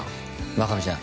真壁ちゃん